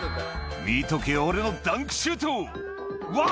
「見とけよ俺のダンクシュート」うわ！